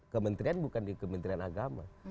kementerian bukan di kementerian agama